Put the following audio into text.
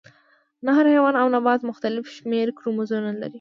نه هر حیوان او نبات مختلف شمیر کروموزومونه لري